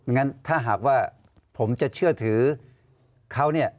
งั้นถ้าหากว่าผมจะเชื่อถือเขาเนี่ย